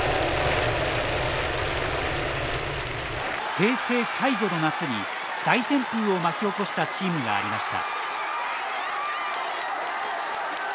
平成最後の夏に大旋風を巻き起こしたチームがありました。